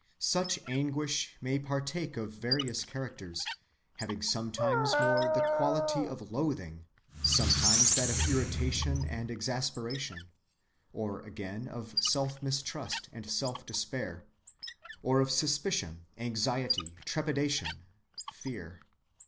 Such anguish may partake of various characters, having sometimes more the quality of loathing; sometimes that of irritation and exasperation; or again of self‐mistrust and self‐despair; or of suspicion, anxiety, trepidation, fear.